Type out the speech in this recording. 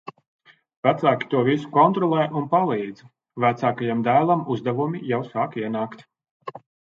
Vecāki to visu kontrolē un palīdz. Vecākajam dēlam uzdevumi jau sāk ienākt.